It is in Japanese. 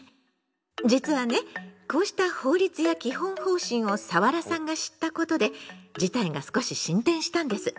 実はねこうした法律や基本方針をサワラさんが知ったことで事態が少し進展したんです。